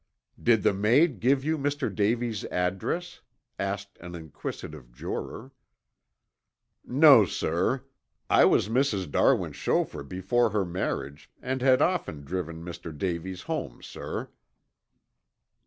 "Did the maid give you Mr. Davies' address?" asked an inquisitive juror. "No, sir. I was Mrs. Darwin's chauffeur before her marriage and had often driven Mr. Davies home, sir."